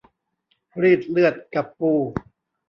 รีดเลือดกับปู